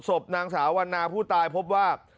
สบนางสาววรรณาผู้ตายพบว่า